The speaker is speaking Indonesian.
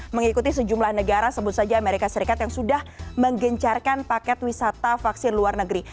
mengikuti sejumlah negara sebut saja amerika serikat yang sudah menggencarkan paket wisata vaksin luar negeri